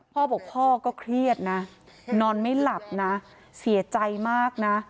พ่อบอกพ่อก็เครียดนะนอนไม่หลับนะเสียใจมากนะ